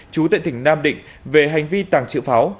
chú tại tỉnh nam định về hành vi tảng chữ pháo